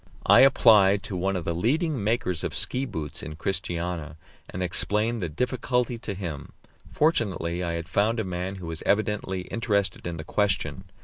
I applied to one of the leading makers of ski boots in Christiania, and explained the difficulty to him; fortunately I had found a man who was evidently interested in the question.